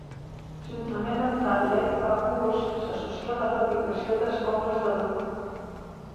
Juntament amb Tadley, Baughurst s'associa amb la fabricació d'escombres de bruc.